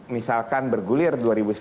misalkan bergulir dua ribu sembilan belas